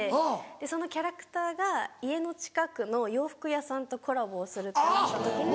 そのキャラクターが家の近くの洋服屋さんとコラボをするってなった時に。